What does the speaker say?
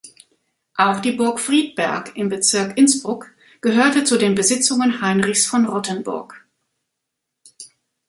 Auch die Burg Friedberg im Bezirk Innsbruck gehörte zu den Besitzungen Heinrichs von Rottenburg.